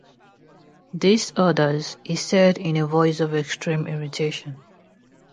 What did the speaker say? “These others,” he said in a voice of extreme irritation.